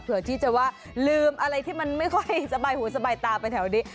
เพื่อที่จะว่าลืมอะไรที่มันไม่ค่อยสบายหูสบายตาไปแถวนี้